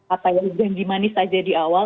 apa yang ganti manis saja di awal